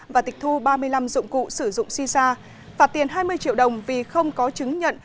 và tịch thu ba mươi năm dụng cụ sử dụng si sa phạt tiền hai mươi triệu đồng vì không có chứng nhận